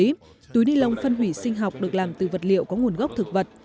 tuy nhiên túi ni lông phân hủy sinh học được làm từ vật liệu có nguồn gốc thực vật